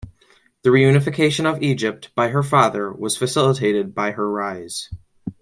The reunification of Egypt by her father was facilitated by her rise.